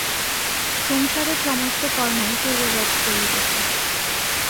সংসারের সমস্ত কর্মই পূর্ববৎ চলিতেছে।